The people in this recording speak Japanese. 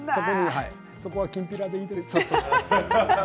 そこはきんぴらでいいです。